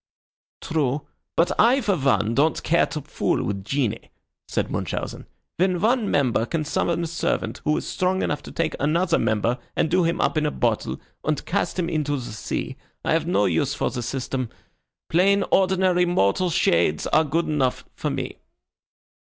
"True; but I, for one, don't care to fool with genii," said Munchausen. "When one member can summon a servant who is strong enough to take another member and do him up in a bottle and cast him into the sea, I have no use for the system. Plain ordinary mortal shades are good enough for me."